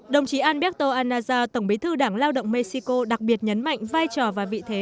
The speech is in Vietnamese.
đồng chí alberto anaza tổng bí thư đảng lao động mexico đặc biệt nhấn mạnh vai trò và vị thế